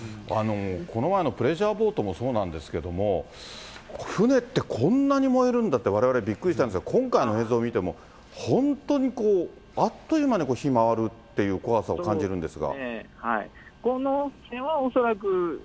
この前のプレジャーボートもそうなんですけども、船ってこんなに燃えるんだってわれわれ、びっくりしたんですが、今回の映像見ても、本当にこう、あっという間に火回るっていう怖さを感じるんですが。